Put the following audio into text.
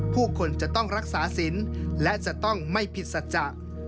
ผู้คนจะต้องรักษาศิลป์และจะต้องไม่ผิดสัจจะ